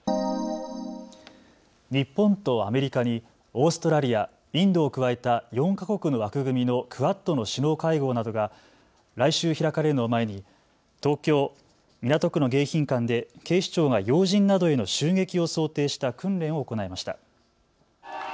日本とアメリカにオーストラリア、インドを加えた４か国の枠組みのクアッドの首脳会合などが来週開かれのを前に東京港区の迎賓館で警視庁が要人などへの襲撃を想定した訓練を行いました。